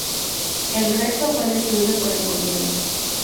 El resto fue destruido por el gobierno.